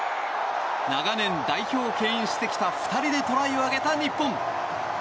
長年代表をけん引してきた２人でトライを挙げた日本。